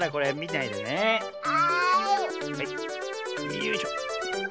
よいしょ。